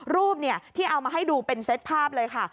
รูปที่เอามาให้ดูเป็นเซตภาพเลยค่ะ